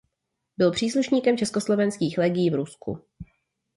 Byl příslušníkem československých legií v Rusku.